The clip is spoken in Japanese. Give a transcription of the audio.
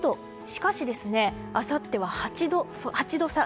しかし、あさっては８度差。